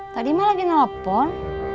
tadi emak lagi telepon